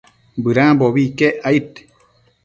Bëdambobi iquec aid